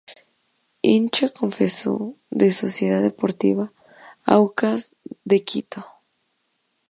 Hincha confeso de Sociedad Deportiva Aucas de Quito.